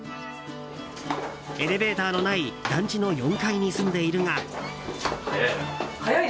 エレベーターのない団地の４階に住んでいるが。